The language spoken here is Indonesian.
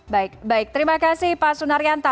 baik baik terima kasih pak sunaryanto